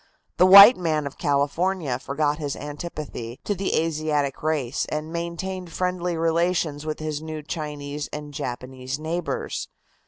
The white man of California forgot his antipathy to the Asiatic race, and maintained friendly relations with his new Chinese and Japanese neighbors.